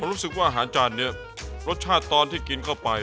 รู้สึกว่าอาหารจานนี้รสชาติตอนที่กินเข้าไป